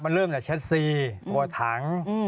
มันเริ่มจากแชทซี่ถัง